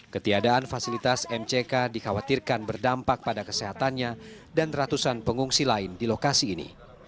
ketiadaan fasilitas mck dikhawatirkan berdampak pada kesehatannya dan ratusan pengungsi lain di lokasi ini